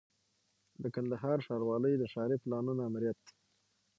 د کندهار ښاروالۍ د ښاري پلانونو آمریت